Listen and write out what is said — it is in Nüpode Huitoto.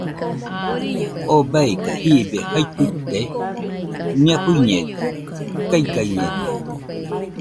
¿Oo beika jibie jae fuite?nia fuiñede, kaigañede.